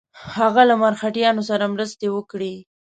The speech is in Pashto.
هغه له مرهټیانو سره مرستې وکړي.